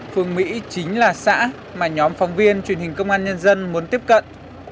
phương mỹ chính là xã mà nhóm phóng viên truyền hình công an nhân dân muốn tiếp cận